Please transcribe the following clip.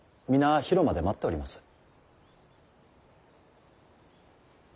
皆広間で待っております。